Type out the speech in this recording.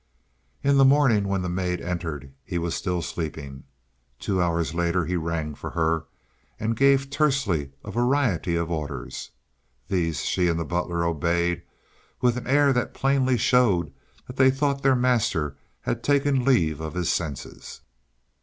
In the morning when the maid entered he was still sleeping. Two hours later he rang for her, and gave tersely a variety of orders. These she and the butler obeyed with an air that plainly showed they thought their master had taken leave of his senses.